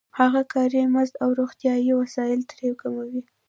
هغه کاري مزد او روغتیايي وسایل ترې کموي